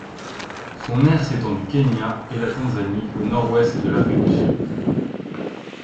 Son aire s'étend du Kenya et la Tanzanie au nord-ouest de l'Afrique du Sud.